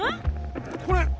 これ！